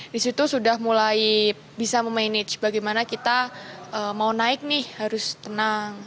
di situ sudah mulai bisa memanage bagaimana kita mau naik nih harus tenang